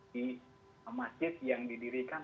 di masjid yang didirikan